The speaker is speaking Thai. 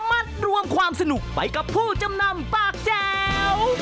มัดรวมความสนุกไปกับผู้จำนำปากแจ๋ว